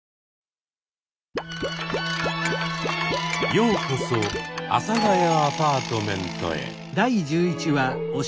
ようこそ「阿佐ヶ谷アパートメント」へ。